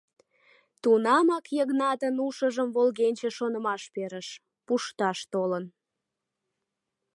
Тунамак Йыгнатын ушыжым волгенче шонымаш перыш: пушташ толын.